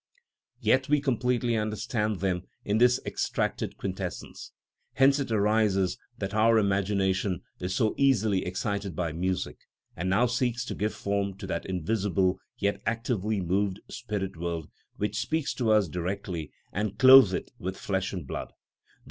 Yet we completely understand them in this extracted quintessence. Hence it arises that our imagination is so easily excited by music, and now seeks to give form to that invisible yet actively moved spirit world which speaks to us directly, and clothe it with flesh and blood, _i.